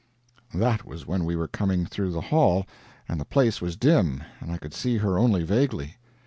That was when we were coming through the hall, and the place was dim, and I could see her only vaguely.